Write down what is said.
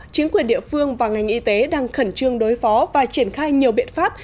chính quyền địa phương và ngành y tế đang khẩn trương đối phó và triển khai nhiều biện pháp